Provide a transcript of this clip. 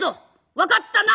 分かったな！」。